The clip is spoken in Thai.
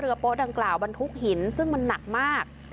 โป๊ดังกล่าวบรรทุกหินซึ่งมันหนักมาก